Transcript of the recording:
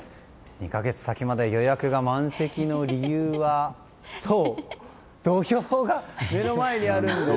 ２か月先まで予約が満席の理由はそう、土俵が目の前にあるんです。